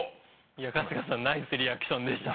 いや春日さんナイスリアクションでした。